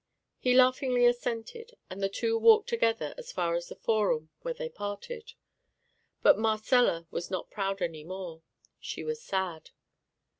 He laughingly assented, and the two walked together as far as the Forum, where they parted. But Marcella was not proud any more; she was sad.